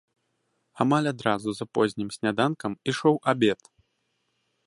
Амаль адразу за познім сняданкам ішоў абед.